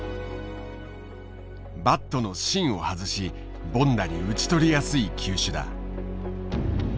バットの芯を外し凡打に打ち取りやすい球種だ。